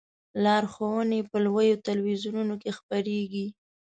لارښوونې په لویو تلویزیونونو کې خپریږي.